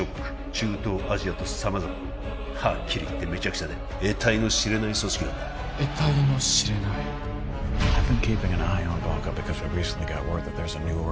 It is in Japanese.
中東アジアと様々ではっきり言ってめちゃくちゃで得体の知れない組織なんだ得体の知れない何だ？